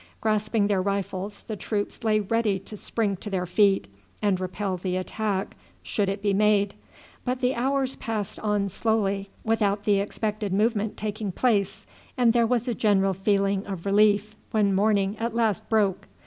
Grasping their rifles the troops lay ready to spring to their feet and repel the attack should it be made; but the hours passed on slowly without the expected movement taking place, and there was a general feeling of relief when morning at last broke.